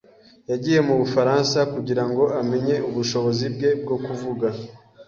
Yagiye mu Bufaransa kugira ngo amenye ubushobozi bwe bwo kuvuga.